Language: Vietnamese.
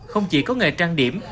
không chỉ có nghề trang điểm